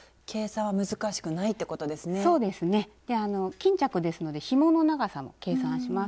巾着ですのでひもの長さも計算します。